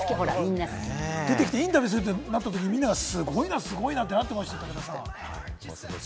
出てきてインタビューするってなったとき、みんながすごいなすごいなってなってましたね。